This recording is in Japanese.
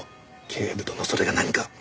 警部殿それが何か？